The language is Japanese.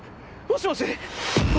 もしもし？